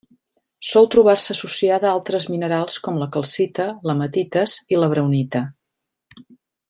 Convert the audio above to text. Sol trobar-se associada a altres minerals com la calcita, l'hematites i la braunita.